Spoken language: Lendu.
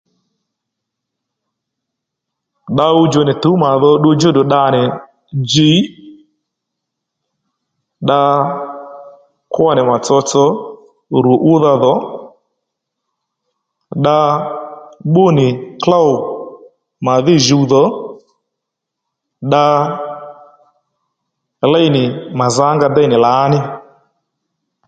Dda ɦuwdjò nì tǔw màdho ddu djúddù dda nì djiy dda kwó nì mà tsotso rù údha dhò dda bbú nì klôw màdhí jǔw dhò dda léy nì mà zánga déy nì lǎní